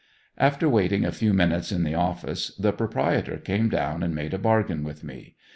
After waiting a few minutes in the office, the proprietor came down and made a bargain with me.